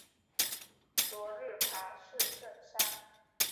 昨天爬四圣山